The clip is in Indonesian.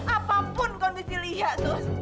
apapun kondisi lia sus